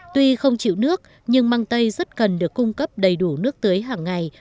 tuy không chịu nước nhưng măng tây rất cần được cung cấp đầy đủ nước tưới hàng ngày